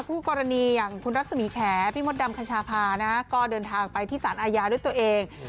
คู่กรณีอย่างคุณรัศมีแขพี่มดดำคชาพานะก็เดินทางไปที่สารอาญาด้วยตัวเอง